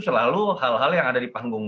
selalu hal hal yang ada di panggung